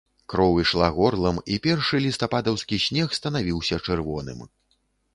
Кроў ішла горлам і першы лістападаўскі снег станавіўся чырвоным.